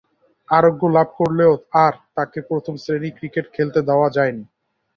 আরোগ্য লাভ করলেও আর তাকে প্রথম-শ্রেণীর ক্রিকেট খেলতে দেখা যায়নি।